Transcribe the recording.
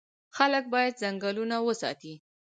خلک باید ځنګلونه وساتي.